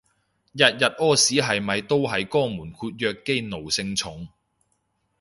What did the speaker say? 日日屙屎係咪都係肛門括約肌奴性重